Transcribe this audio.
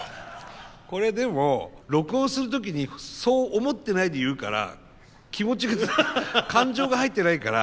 これでも録音する時にそう思ってないで言うから気持ちが感情が入ってないから。